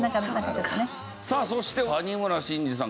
さあそして谷村新司さん